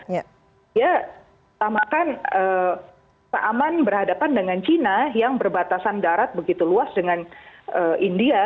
ya pertama kan aman berhadapan dengan china yang berbatasan darat begitu luas dengan india